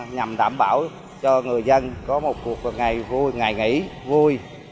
nhằm đảm bảo cho người dân có một cuộc ngày nghỉ vui